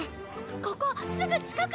ここすぐ近くだよ！